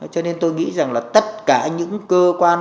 cho nên tôi nghĩ rằng là tất cả những cơ quan